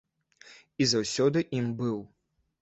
І заўсёды ім быў.